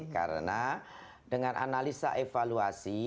karena dengan analisa evaluasi